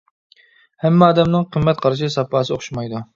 ھەممە ئادەمنىڭ قىممەت قارشى، ساپاسى ئوخشىمايدۇ.